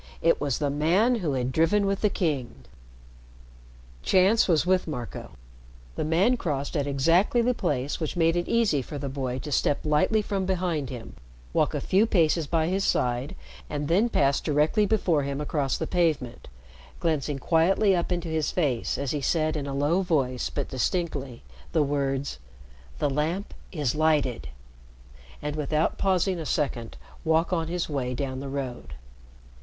It was the man who had driven with the King! Chance was with Marco. The man crossed at exactly the place which made it easy for the boy to step lightly from behind him, walk a few paces by his side, and then pass directly before him across the pavement, glancing quietly up into his face as he said in a low voice but distinctly, the words "The Lamp is lighted," and without pausing a second walk on his way down the road.